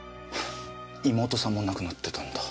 妹さんも亡くなってたんだ。